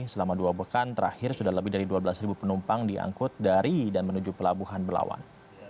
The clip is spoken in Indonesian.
selama dua pekan terakhir sudah lebih dari dua belas penumpang diangkut dari dan menuju pelabuhan belawan